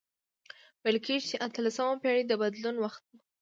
ویل کیږي چې اتلسمه پېړۍ د بدلون وخت و.